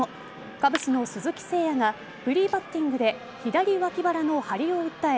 カブスの鈴木誠也がフリーバッティングで左脇腹の張りを訴え